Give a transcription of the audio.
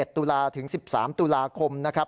ตุลาถึง๑๓ตุลาคมนะครับ